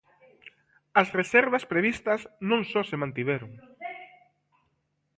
As reservas previstas non só se mantiveron.